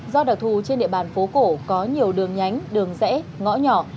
do đặc thù trên địa bàn phố cổ có nhiều đường nhánh đường rẽ ngõ nhỏ